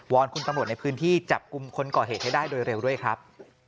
อนคุณตำรวจในพื้นที่จับกลุ่มคนก่อเหตุให้ได้โดยเร็วด้วยครับ